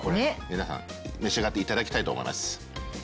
皆さん召し上がっていただきたいと思います。